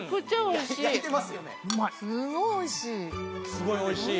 すごい美味しい？